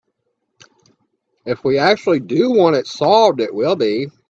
If we actually do want it solved, it will be.